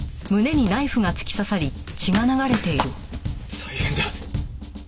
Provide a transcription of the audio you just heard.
大変だ。